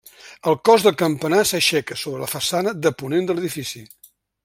El cos del campanar s'aixeca sobre la façana de ponent de l'edifici.